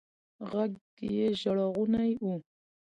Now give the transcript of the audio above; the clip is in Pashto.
ږغ يې ژړغونى و.